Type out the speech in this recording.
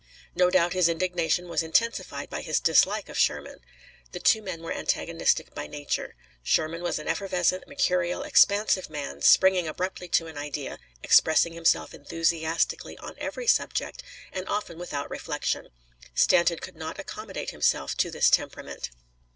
No doubt his indignation was intensified by his dislike of Sherman. The two men were antagonistic by nature. Sherman was an effervescent, mercurial, expansive man, springing abruptly to an idea, expressing himself enthusiastically on every subject, and often without reflection. Stanton could not accommodate himself to this temperament.